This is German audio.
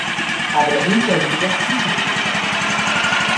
Aber dahinter liegen doch tiefere Ursachen.